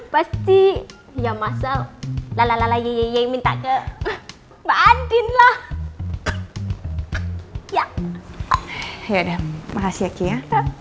pasti ya masa lalala yeye minta ke mbak andin lah ya ya udah makasih ya